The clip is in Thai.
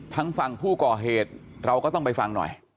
ทั้งฝั่งผู้ก่อเหตุเราก็ต้องไปฟังหน่อย